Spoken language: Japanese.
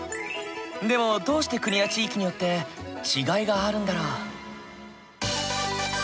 でもどうして国や地域によって違いがあるんだろう？